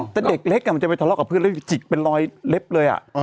แต่เด็กเล็กมันจะไปทะเลาะกับเพื่อนแล้วจิกเป็นรอยเล็บเลย